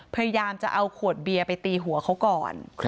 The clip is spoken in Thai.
พยายามจะเอาขวดเบียร์ไปตีหัวเขาก่อน